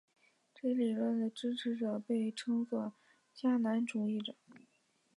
这一理论的支持者被称作迦南主义者。